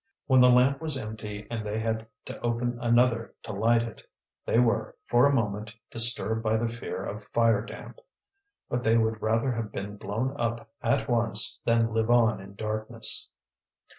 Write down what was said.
When the lamp was empty and they had to open another to light it, they were, for a moment, disturbed by the fear of fire damp; but they would rather have been blown up at once than live on in darkness.